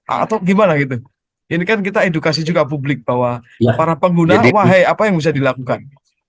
atau gimana gitu ini kan kita edukasi juga publik bahwa para pengguna wahai apa yang bisa dilakukan